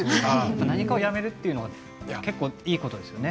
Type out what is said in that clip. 何かをやめるということはいいことですよね。